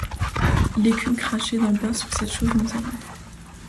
L’écume crachait d’en bas sur cette chose misérable.